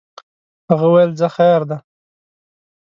هغه ویل ځه خیر دی.